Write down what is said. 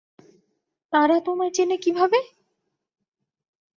তারা তোমায় চেনে কীভাবে?